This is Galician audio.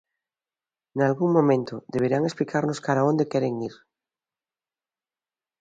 Nalgún momento deberán explicarnos cara a onde queren ir.